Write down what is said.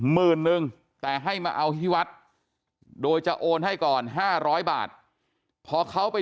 หมื่นนึงแต่ให้มาเอาที่วัดโดยจะโอนให้ก่อน๕๐๐บาทพอเขาไป